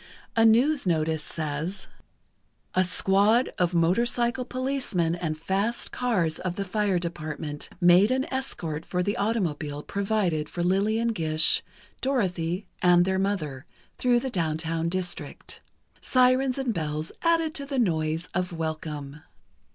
A news notice says: A squad of motorcycle policemen and fast cars of the Fire Department, made an escort for the automobile provided for Lillian Gish, Dorothy and their mother, through the downtown district. Sirens and bells added to the noise of welcome.